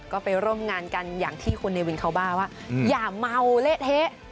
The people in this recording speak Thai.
ก็ไปร่วมงานกันอย่างที่คุณเนวินเขาบ้าว่าอย่าเมาเละเทะ